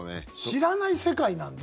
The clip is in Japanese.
知らない世界なんで。